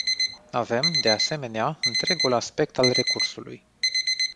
Avem, de asemenea, întregul aspect al recursului.